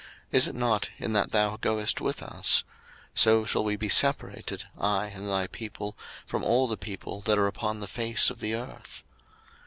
is it not in that thou goest with us? so shall we be separated, I and thy people, from all the people that are upon the face of the earth.